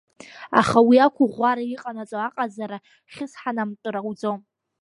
Аха уи ақәыӷәӷәара иҟанаҵо аҟазара хьысҳанамтәыр ауӡом.